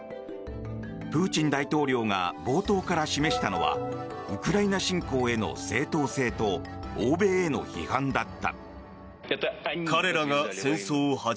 プーチン大統領が冒頭から示したのはウクライナ侵攻への正当性と欧米への批判だった。